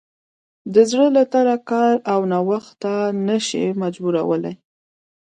د زړه له تله کار او نوښت ته نه شي مجبورولی.